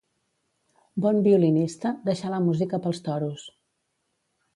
Bon violinista, deixà la música pels toros.